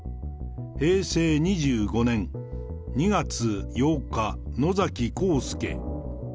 平成２５年２月８日野崎幸助。